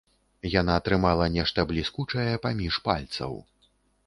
Яна трымала нешта бліскучае паміж пальцаў.